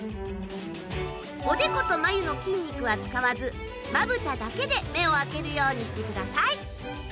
おでことまゆの筋肉は使わず瞼だけで目を開けるようにしてください。